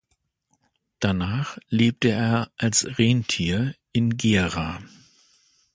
Danach lebte er als Rentier in Gera.